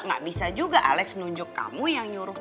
gak bisa juga alex nunjuk kamu yang nyuruh